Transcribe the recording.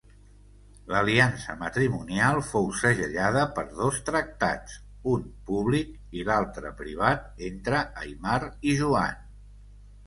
L'aliança matrimonial fou segellada per dos tractats, un públic, l'altre privat entre Aimar i Joan.